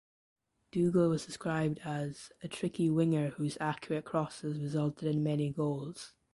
Dougall was described as "a tricky winger whose accurate crosses resulted in many goals".